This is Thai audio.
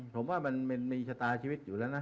ผมว่ามันมีชะตาชีวิตอยู่แล้วนะ